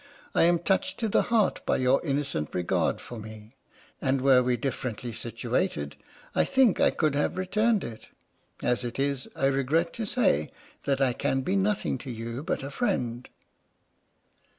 I am touched to the heart by your innocent regard for me, and were we differ ently situated, I think I could have returned it. As it is, I regret to say that I can be nothing to you but a friend."